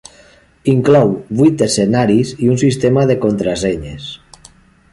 Inclou vuit escenaris i un sistema de contrasenyes.